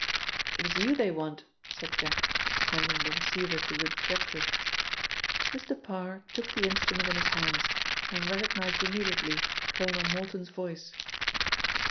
"It is you they want," said Jack, handing the receiver to the detective. Mr. Parr took the instrument in his hands, and recognised immediately Colonel Morton's voice.